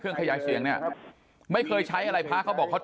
เครื่องขยายเสียงเนี่ยไม่เคยใช้อะไรพระเขาบอก